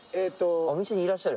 お店にいらっしゃる？